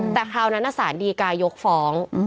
แต่คราวนั้นสารดีกายกฟ้อง